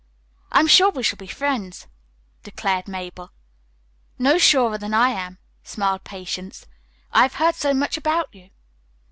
"I am sure we shall be friends," declared Mabel. "No surer than I am," smiled Patience. "I have heard so much about you."